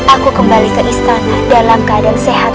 aku kembali ke istana dalam keadaan sehat wa alfiah